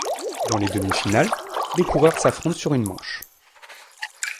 Dans les demi-finales, les coureurs s'affrontent sur une manche.